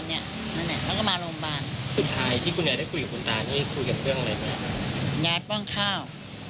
ยายป้อนข้าว